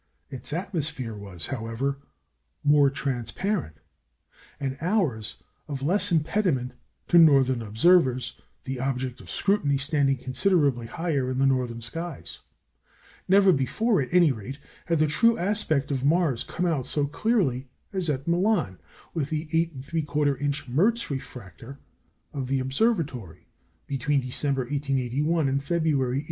Its atmosphere was, however, more transparent, and ours of less impediment to northern observers, the object of scrutiny standing considerably higher in northern skies. Never before, at any rate, had the true aspect of Mars come out so clearly as at Milan, with the 8 3/4 inch Merz refractor of the observatory, between December, 1881, and February, 1882.